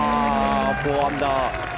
４アンダー。